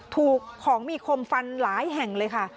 ถูกของมีคมฟันหลายแห่งเลยค่ะ